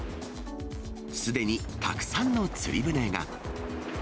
すでにたくさんの釣り船が。